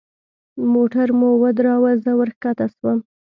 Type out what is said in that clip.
موټر مو ودراوه زه وركښته سوم.